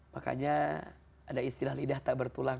makanya ada istilah lidah tak bertulang